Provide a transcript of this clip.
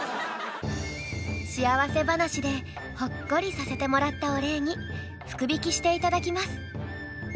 幸せ話でほっこりさせてもらったお礼に福引きしていただきます。